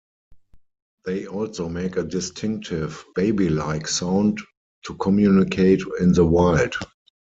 They also make a distinctive "baby-like" sound to communicate in the wild.